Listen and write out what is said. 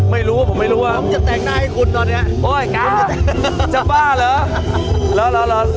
ไม่รู้ผมไม่รู้ว่าผมจะแต่งหน้าให้คุณตอนเนี้ยโอ๊ยจะบ้าเหรอ